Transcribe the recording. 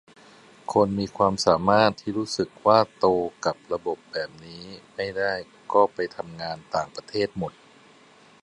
คนมีความสามารถที่รู้สึกว่าโตกับระบบแบบนี้ไม่ได้ก็ไปทำงานต่างประเทศหมด